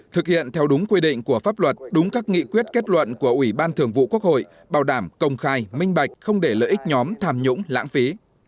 thực hiện theo đúng quy định của pháp luật đúng các nghị quyết kết luận của ủy ban thường vụ quốc hội bảo đảm công khai minh bạch không để lợi ích nhóm tham nhũng lãng phí